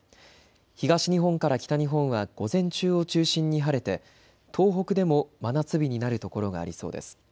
東日本から北日本は午前中を中心に晴れて東北でも真夏日になる所がありそうです。